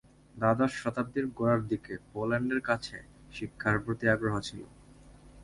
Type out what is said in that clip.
দ্বাদশ শতাব্দীর গোড়ার দিকে পোল্যান্ডের কাছে শিক্ষার প্রতি আগ্রহ ছিল।